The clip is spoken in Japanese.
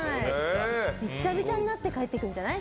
びちゃびちゃになって帰ってくるんじゃない？